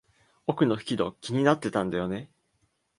奥の引き戸、気になってたんだよね。